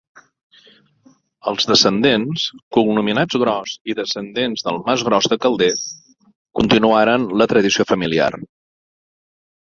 Els descendents, cognominats Gros i procedents del mas Gros de Calders, continuaren la tradició familiar.